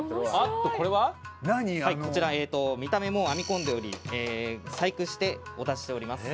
こちら見た目も編み込んでおり細工してお出ししております。